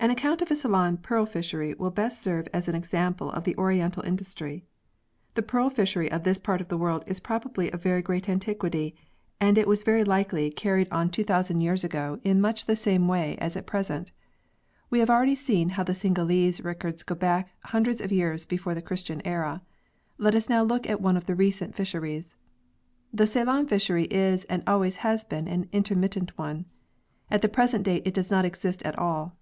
AN account of a Ceylon pearl fishery will best serve as an example of the oriental industry. The pearl fishery of this part of the world is probably of very great antiquity, and it was very likely carried 1 Herdman, Presidential Address to the Linnean Soc., May 1905 (see Proc. L. S.). vi] A CEYLON PEARL FISHERY 69 on 2000 years ago in much the same simple way as at present. We have already seen how the Singhalese records go back hundreds of years before the Christian era. Let us now look at one of the recent fisheries. The Ceylon fishery is and always has been an inter mittent one. At the present date it does not exist at all.